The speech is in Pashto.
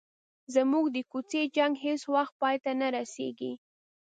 زموږ د کوڅې جنګ هیڅ وخت پای ته نه رسيږي.